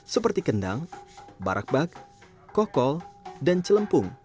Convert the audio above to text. seperti kendang barak bak kokol dan celempung